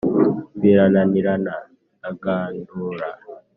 birananirana ndagandura